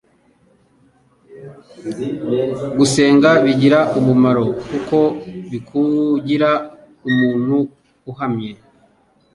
gusenga bigira umumaro kuko bikugira umuntu uhamye